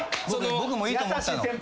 僕もいいと思ったの。